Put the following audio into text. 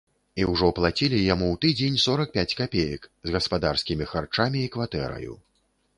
І ўжо плацілі яму ў тыдзень сорак пяць капеек, з гаспадарскімі харчамі і кватэраю.